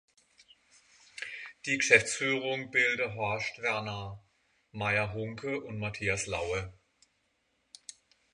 Die Geschäftsführung bilden Horst-Werner Maier-Hunke und Matthias Laue.